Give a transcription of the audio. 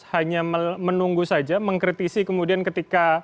hanya menunggu saja mengkritisi kemudian ketika